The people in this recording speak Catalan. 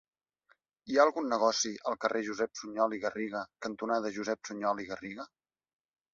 Hi ha algun negoci al carrer Josep Sunyol i Garriga cantonada Josep Sunyol i Garriga?